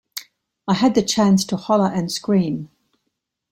I had the chance to holler and scream.